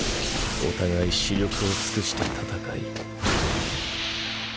お互い死力を尽くして戦い。